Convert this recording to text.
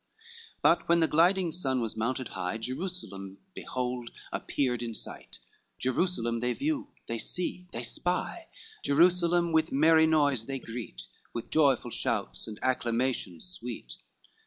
But when the gliding sun was mounted high, Jerusalem, behold, appeared in sight, Jerusalem they view, they see, they spy, Jerusalem with merry noise they greet, With joyful shouts, and acclamations sweet.